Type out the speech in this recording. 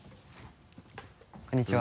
こんにちは。